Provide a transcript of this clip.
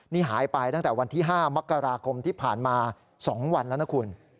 นี่หายไปตั้งแต่วันที่๕มกราคมที่ผ่านมา๒วันแล้วนะคุณ